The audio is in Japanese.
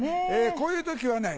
こういう時はね